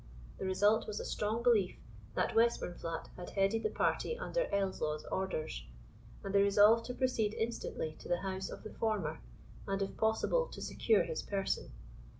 The result was a strong belief that Westburnflat had headed the party under Ellieslaw's orders; and they resolved to proceed instantly to the house of the former, and, if possible, to secure his person.